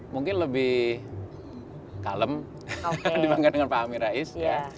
mungkin lebih kalem dibandingkan dengan pak amin rais